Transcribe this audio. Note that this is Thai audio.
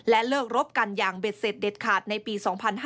เลิกรบกันอย่างเบ็ดเสร็จเด็ดขาดในปี๒๕๕๙